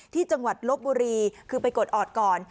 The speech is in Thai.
จังหวัดลบบุรีคือไปกดออดก่อน